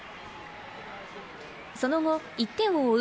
その後、１点を追う